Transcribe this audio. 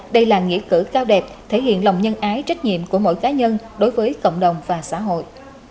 đây là nghĩa cử cao đẹp thể hiện lòng nhân ái trách nhiệm của mỗi cá nhân đối với cộng đồng và xã hội